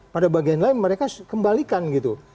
pada bagian lain mereka kembalikan gitu